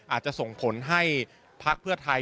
อาจจะส่งผลให้พักเพื่อไทย